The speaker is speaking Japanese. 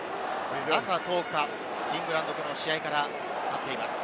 中１０日、イングランドとの試合から立っています。